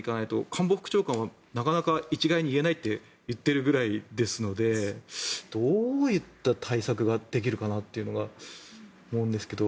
官房副長官はなかなか一概には言えないと言っているぐらいですのでどういった対策ができるかなっていうのを思うんですが。